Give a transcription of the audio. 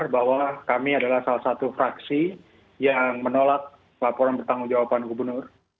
bahwa kami adalah salah satu fraksi yang menolak laporan pertanggung jawaban gubernur